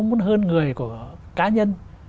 muốn hơn người của cá nhân